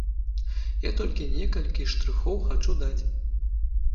Я толькі некалькі штрыхоў хачу даць.